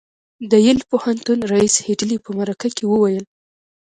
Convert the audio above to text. د یل پوهنتون ريیس هيډلي په مرکه کې وویل